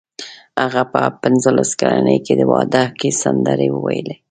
هغه په پنځلس کلنۍ کې په واده کې سندرې وویلې